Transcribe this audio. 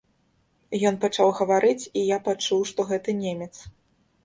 Ён пачаў гаварыць, і я пачуў, што гэта немец.